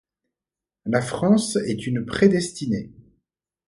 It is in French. La France est une prédestinée.